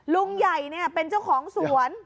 ลุงใหญ่เป็นเจ้าของสวน